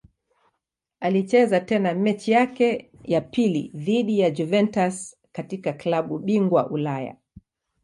Alicheza tena mechi yake ya pili dhidi ya Juventus katika klabu bingwa Ulaya.